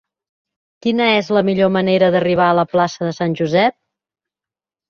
Quina és la millor manera d'arribar a la plaça de Sant Josep?